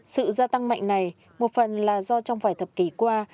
sự gia tăng mạnh này một phần là do trong vài thập kỷ qua